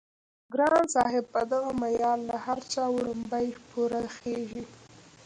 ګران صاحب په دغه معيار له هر چا وړومبی پوره خيژي